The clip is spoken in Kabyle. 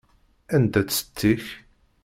Anda-tt setti-k?